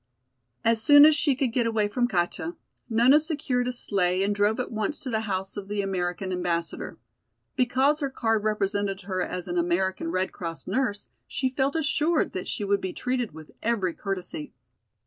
As soon as she could get away from Katja, Nona secured a sleigh and drove at once to the house of the American Ambassador. Because her card represented her as an American Red Cross nurse she felt assured that she would be treated with every courtesy.